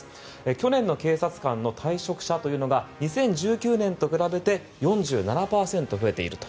去年の警察官の退職者というのが２０１９年と比べて４７％増えていると。